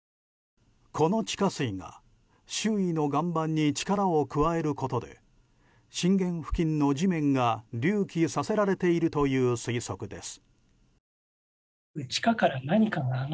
この地下水が周囲の岩盤に力を加えることで震源付近の地面が隆起させられているという推測です。